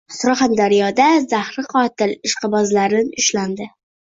Surxondaryoda zahri qotil “ishqibozlari” ushlandi